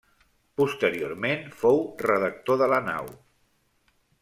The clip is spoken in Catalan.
Posteriorment, fou redactor de La Nau.